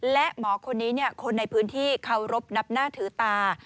และหมอคนนี้คนในพื้นที่เคารพนับหน้าถือตา